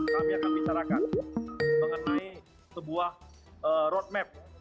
kami akan bicarakan mengenai sebuah road map